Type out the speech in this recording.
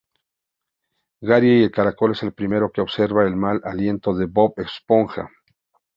Gary el caracol es el primero que observa el mal aliento de Bob Esponja.